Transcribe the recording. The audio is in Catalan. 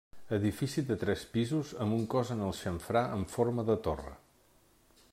Edifici de tres pisos, amb un cos en el xamfrà en forma de torre.